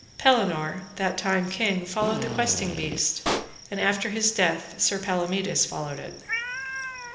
Pellinore, that time king, followed the Questing Beast, and after his death Sir Palamides followed it.